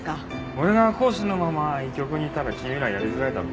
俺が講師のまま医局にいたら君らやりづらいだろ。